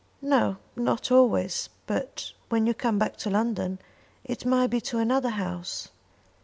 "No, not always; but when you come back to London it may be to another house."